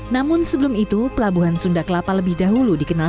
namun sebelum itu pelabuhan sunda kelapa lebih dahulu dikenal